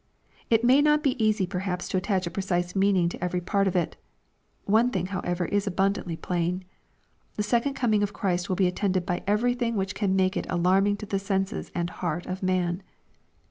It may not be easy perhaps to attach a precise meaning to every part of it. One thing however, is abundantly plain. • The second coming of Christ will be attended by everything which can make it alarming to the senses and heart of man.